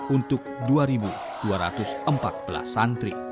untuk dua dua ratus empat belas santri